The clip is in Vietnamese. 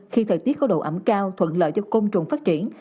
khi thời tiết có độ ẩm cao thuận lợi cho công trùng phát triển